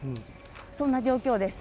そんな状況です。